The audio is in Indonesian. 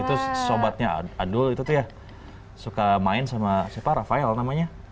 terus sobatnya aduh itu tuh ya suka main sama siapa rafael namanya